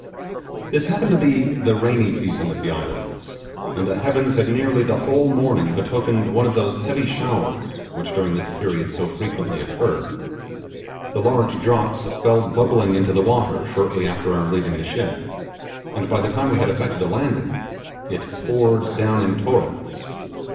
This happened to be the rainy season at the islands, and the heavens had nearly the whole morning betokened one of those heavy showers which during this period so frequently occur. The large drops fell bubbling into the water shortly after our leaving the ship, and by the time we had affected a landing it poured down in torrents.